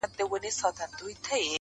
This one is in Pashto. له خپل یار سره روان سو دوکاندار ته٫